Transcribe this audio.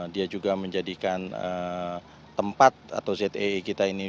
dia juga menjadikan tempat atau zee kita ini